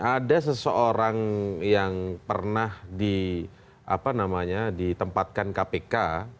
ada seseorang yang pernah di apa namanya ditempatkan kpk menurut saya